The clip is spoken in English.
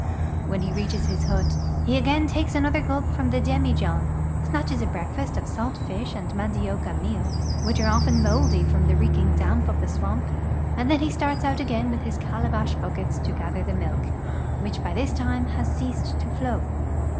" When he reaches his hut, he again takes another gulp from the dem.ijohn, snatches a breakfast of salt fish and mandioca meal, which are often moldy from the reeking damp of the swamp, and then he starts out again with his calabash buckets to gather the milk, which by this time has ceased to flow.